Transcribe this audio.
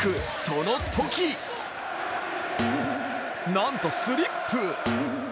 そのとき、なんとスリップ。